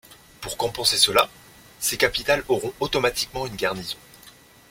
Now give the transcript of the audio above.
Pour compenser cela, ces capitales auront automatiquement une garnison.